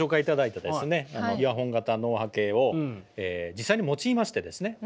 イヤホン型脳波計を実際に用いましてですね